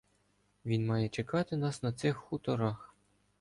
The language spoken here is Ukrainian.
Він має чекати нас на цих хуторах.